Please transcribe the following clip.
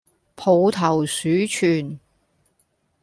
抱頭鼠竄